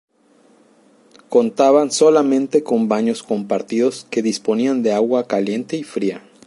Contaban solamente con baños compartidos que disponían de agua caliente y fría.